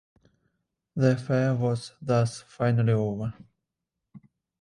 The affair was thus finally over.